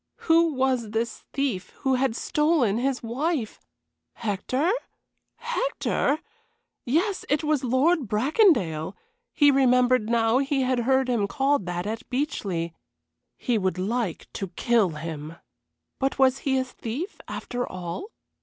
Who was this thief who had stolen his wife? Hector? Hector? Yes, it was Lord Bracondale; he remembered now he had heard him called that at Beechleigh. He would like to kill him. But was he a thief, after all?